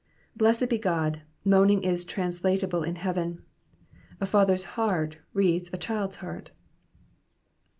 Blessed be God, moaning is translatable in heaven. A father^s heart reads a child^s heart.